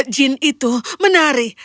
jin itu menari